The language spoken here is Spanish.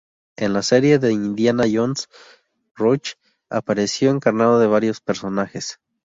En la serie de Indiana Jones, Roach apareció encarnando varios personajes.